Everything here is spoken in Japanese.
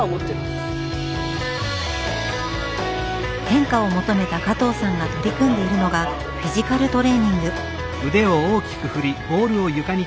変化を求めた加藤さんが取り組んでいるのがフィジカルトレーニング。